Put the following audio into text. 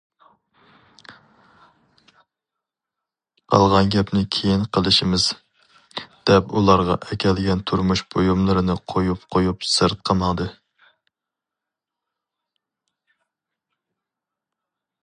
قالغان گەپنى كېيىن قىلىشىمىز، دەپ ئۇلارغا ئەكەلگەن تۇرمۇش بۇيۇملىرىنى قويۇپ قويۇپ سىرتقا ماڭدى.